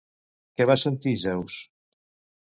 Què va sentir Zeus?